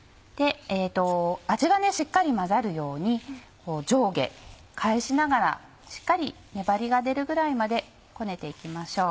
味がしっかり混ざるように上下返しながらしっかり粘りが出るぐらいまでこねて行きましょう。